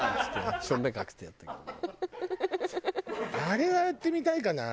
あれはやってみたいかな。